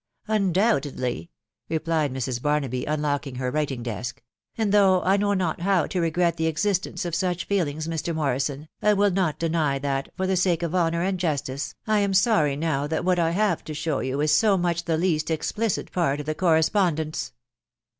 " Undoubtedly," replied Mrs. Barnaby, unlocking her writ ing desk ;" and though I know not how to regret the exist ence of such feelings, Mr. Morrison, I will not deny that, for the sake of honour and justice, I am sorry now that what I have to show you is so much the least explicit part of the correspondence."